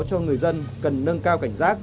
cho người dân cần nâng cao cảnh giác